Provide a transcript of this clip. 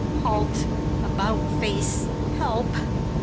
"Halt! About face! Help!